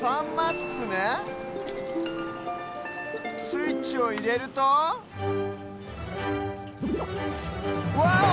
スイッチをいれるとワオ！